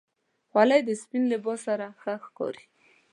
خولۍ د سپین لباس سره ښه ښکاري.